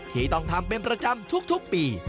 ที่ต้องทำเป็นประจำทุกปี